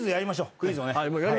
クイズを。